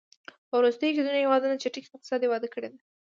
په وروستیو کې ځینو هېوادونو چټکې اقتصادي وده کړې ده.